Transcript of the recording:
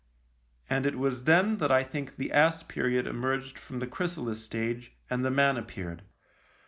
And it was then that I think the ass period emerged from the chrysalis stage and the man appeared.